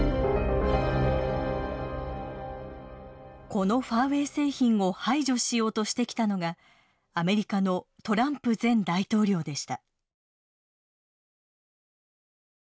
このファーウェイ製品を排除しようとしてきたのがアメリカのトランプ前大統領でした。